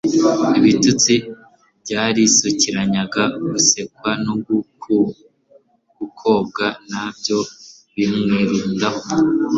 Ibitutsi byarisukiranyaga gusekwa no gukobwa na byo bimwirundaho.